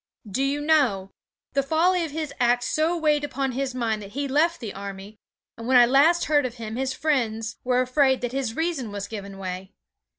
Do you know, the folly of his act so weighed upon his mind that he left the army, and when I last heard of him his friends were afraid that his reason was giving way.